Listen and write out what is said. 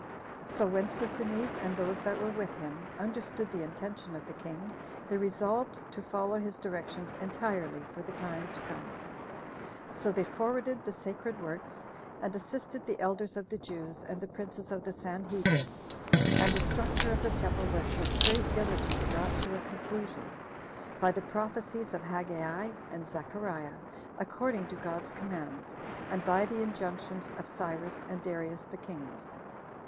So when Sisinnes, and those that were with him, understood the intention of the king, they resolved to follow his directions entirely for the time to come. So they forwarded the sacred works, and assisted the elders of the Jews, and the princes of the Sanhedrim; and the structure of the temple was with great diligence brought to a conclusion, by the prophecies of Haggai and Zechariah, according to God's commands, and by the injunctions of Cyrus and Darius the kings.